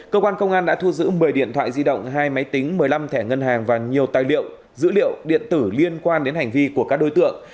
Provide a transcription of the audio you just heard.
cơ quan công an đã thu giữ một mươi điện thoại di động hai máy tính một mươi năm thẻ ngân hàng và nhiều tài liệu dữ liệu điện tử liên quan đến hành vi của các đối tượng